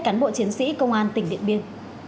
cán bộ chiến sĩ công an tỉnh điện biên